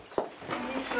こんにちは。